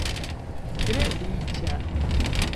Tre riĉa.